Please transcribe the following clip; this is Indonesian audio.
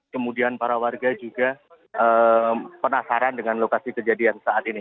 kemudian para warga juga penasaran dengan lokasi kejadian saat ini